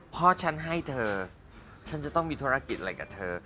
พ่อฉันให้เธอฉันจะต้องมีธุรกิจอะไรกับเธอ